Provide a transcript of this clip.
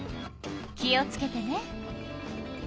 気をつけてね。